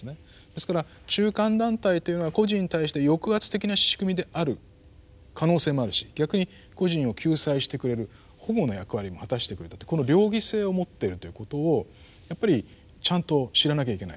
ですから中間団体というのは個人に対して抑圧的な仕組みである可能性もあるし逆に個人を救済してくれる保護の役割も果たしてくれたってこの両義性を持ってるということをやっぱりちゃんと知らなきゃいけないと。